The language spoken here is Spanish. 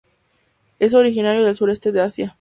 Es originario del sureste de Asia.